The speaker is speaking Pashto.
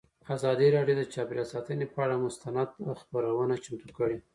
ازادي راډیو د چاپیریال ساتنه پر اړه مستند خپرونه چمتو کړې.